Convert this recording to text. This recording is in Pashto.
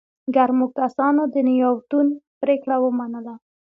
ګرمو کسانو د نياوتون پرېکړه ومنله.